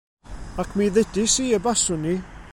Ac mi ddeudis i y baswn i.